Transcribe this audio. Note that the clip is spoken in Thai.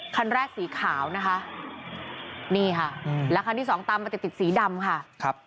คันแรกสีขาวนะคะนี่ค่ะแล้วคันที่สองตามมาติดติดสีดำค่ะครับ